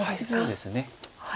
そうですね。